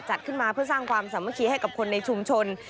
จัดขึ้นมาเพื่อสร้างความสามัคคีให้กับคนในชุมชน